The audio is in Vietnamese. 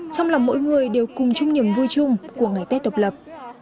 trong lòng mỗi người đều cùng chung niềm vui chung của ngày tết độc lập